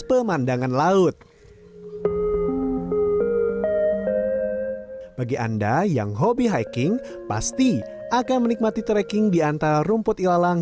pemandangan laut bagi anda yang hobi hiking pasti akan menikmati trekking di antara rumput ilalang